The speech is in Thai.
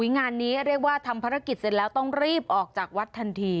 งานนี้เรียกว่าทำภารกิจเสร็จแล้วต้องรีบออกจากวัดทันที